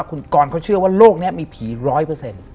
ของคุณกรว่าคุณกรเขาเชื่อว่าโลกเนี้ยมีผีร้อยเปอร์เซ็นต์